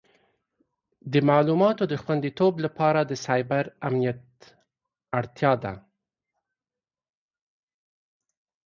د معلوماتو د خوندیتوب لپاره د سایبر امنیت اړتیا ده.